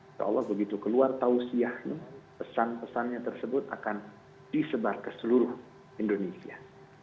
insya allah begitu keluar tausiahnya pesan pesannya tersebut akan disebar ke seluruh indonesia